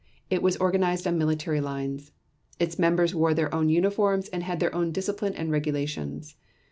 It was organized on military lines. Its members wore their own uniforms and had their own discipline and regulations.